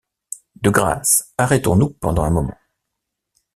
De grâce, arrêtons-nous pendant un moment.